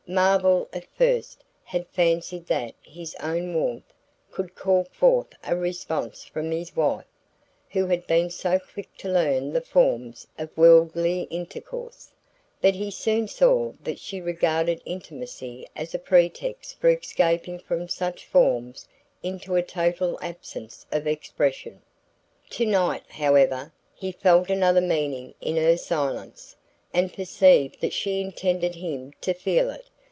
Marvell, at first, had fancied that his own warmth would call forth a response from his wife, who had been so quick to learn the forms of worldly intercourse; but he soon saw that she regarded intimacy as a pretext for escaping from such forms into a total absence of expression. To night, however, he felt another meaning in her silence, and perceived that she intended him to feel it.